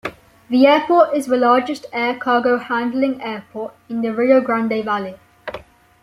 The airport is the largest air cargo handling airport in the Rio Grande Valley.